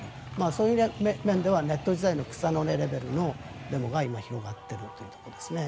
そういう面ではネット時代の草の根レベルのデモが今、広がっているというところですね。